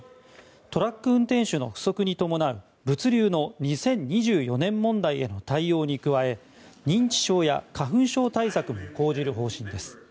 トラック運転手の不足に伴う物流の２０２４年問題の対応に加え認知症や花粉症対策も講じる方針です。